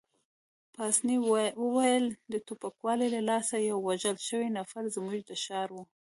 پاسیني وویل: د ټوپکوالو له لاسه یو وژل شوی نفر، زموږ د ښار وو.